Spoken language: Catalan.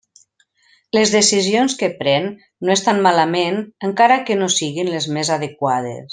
Les decisions que pren no estan malament encara que no siguin les més adequades.